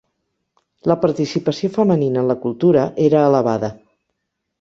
La participació femenina en la cultura era elevada.